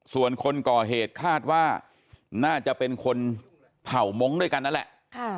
ส่วนคนก่อเหตุคาดว่าน่าจะเป็นคนเผ่ามงค์ด้วยกันนั่นแหละ